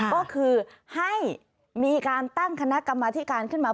ก็คือให้มีการตั้งคณะกรรมธิการขึ้นมา